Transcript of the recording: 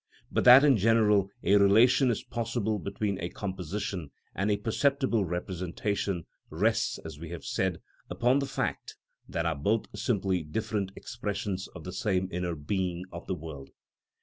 But that in general a relation is possible between a composition and a perceptible representation rests, as we have said, upon the fact that both are simply different expressions of the same inner being of the world.